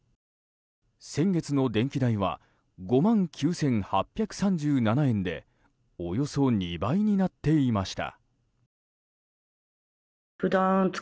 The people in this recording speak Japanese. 先月の電気代は５万９８３７円でおよそ２倍になっていました。